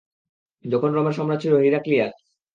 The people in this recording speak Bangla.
তখন রোমের সম্রাট ছিল হিরাক্লিয়াস।